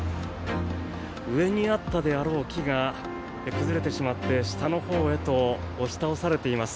上にあったであろう木が崩れてしまって下のほうへと押し倒されています。